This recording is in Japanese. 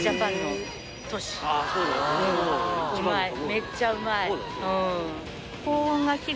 めっちゃうまい。